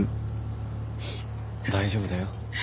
大丈夫だよ。